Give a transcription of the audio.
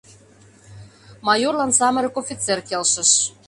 Майорлан самырык офицер келшыш.